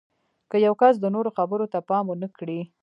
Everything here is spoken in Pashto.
که یو کس د نورو خبرو ته پام ونه کړي